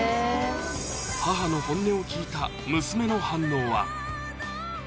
母の本音を聞いた娘の反応は？